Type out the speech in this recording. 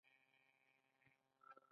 ایا زه ستاسو نمبر اخیستلی شم؟